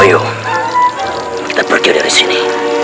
ayo kita pergi dari sini